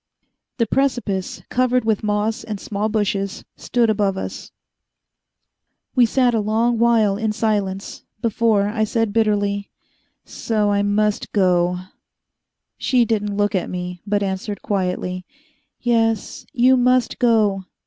The precipice, covered with moss and small bushes, stood above us. We sat a long while in silence, before I said bitterly: "So I must go." She didn't look at me, but answered quietly, "Yes, you must go."